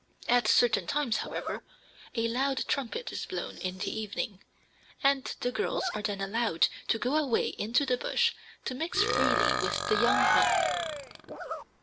At certain times, however, a loud trumpet is blown in the evening, and the girls are then allowed to go away into the bush to mix freely with the young men.